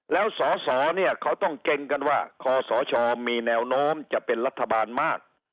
แล้วสอสอเนี่ยเขาต้องเกรงกันว่าคอสชมีแนวโน้มจะเป็นรัฐบาลมาก